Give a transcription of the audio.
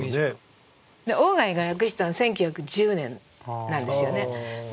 鴎外が訳したの１９１０年なんですよね。